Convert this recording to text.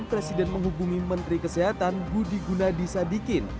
presiden menghubungi menteri kesehatan budi gunadisadikin